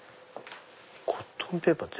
コットンペーパーって。